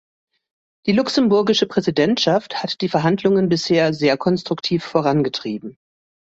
Die luxemburgische Präsidentschaft hat die Verhandlungen bisher sehr konstruktiv vorangetrieben.